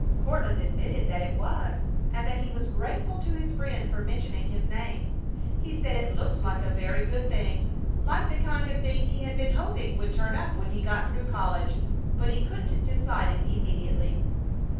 Courtland admitted that it was and that he was grateful to his friend for mentioning his name. He said it looked like a very good thing like the kind of thing he had been hoping would turn up when he got through college, but he couldn't decide it immediately.